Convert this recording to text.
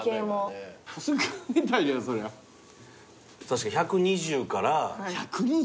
確かに１２０から。